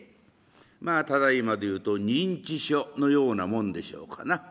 まあただいまで言うと認知書のようなもんでしょうかな。